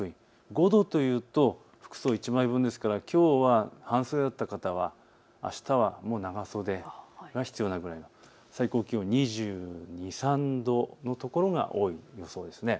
５度というと服装１枚分ですからきょうは半袖だった方はあしたは長袖が必要なくらい、最高気温２２、２３度の所が多いです。